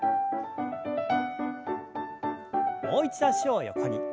もう一度脚を横に。